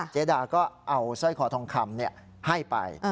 เจดาก็เอาสร้อยคอทองคำให้ไป